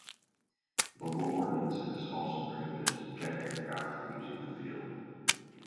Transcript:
Local ordinances also prohibit jet aircraft from using the field.